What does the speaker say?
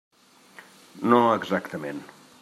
No exactament.